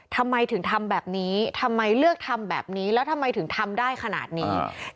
ทำไมถึงทำแบบนี้ทำไมเลือกทำแบบนี้แล้วทำไมถึงทำได้ขนาดนี้